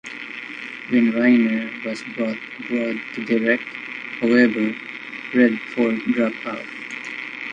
When Reiner was brought aboard to direct, however, Redford dropped out.